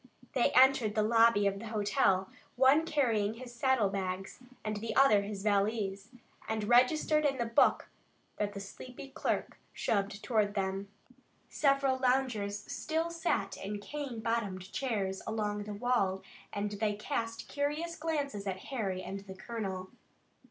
They entered the lobby of the hotel, one carrying his saddle bags, the other his valise, and registered in the book that the sleepy clerk shoved toward them. Several loungers still sat in cane bottomed chairs along the wall, and they cast curious glances at Harry and the colonel.